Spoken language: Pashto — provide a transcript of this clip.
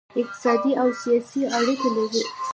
اقتصادي او سیاسي اړیکې لري